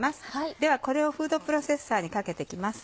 ではこれをフードプロセッサーにかけて行きます。